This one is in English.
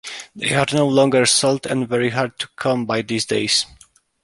They are no longer sold and very hard to come by these days.